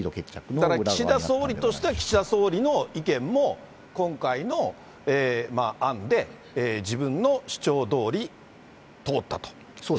ただ、岸田総理としては岸田総理の意見も今回の案で、自分の主張どおり通ったと。